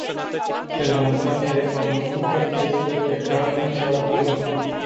Relansarea economică este pe calea cea bună.